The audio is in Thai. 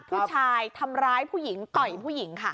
ผู้ชายทำร้ายผู้หญิงต่อยผู้หญิงค่ะ